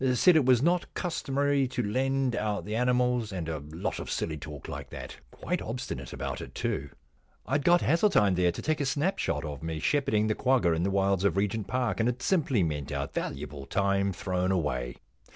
Said it was not customary to lend out the animals, and a lot of silly talk like that. Quite obstinate about 21 I The Problem Club it, too. I'd got Hesseltine there to take a snapshot of me shepherding the quagga in the wilds of Regent's Park, and it simply meant our valuable time thrown away.